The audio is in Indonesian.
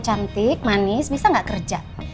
cantik manis bisa nggak kerja